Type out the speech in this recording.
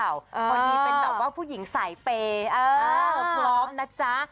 คนนี้เป็นแบบว่าผู้หญิงสายเปย์พร้อมนะจ๊ะ